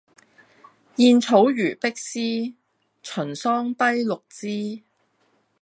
燕草如碧絲，秦桑低綠枝